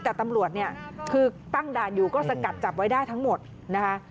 แต่ตำรวจเนี่ยคือตั้งด่านอยู่ก็สกัดจับไว้ได้ทั้งหมดนะคะ